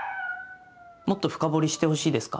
もっと深掘りしてほしいですか？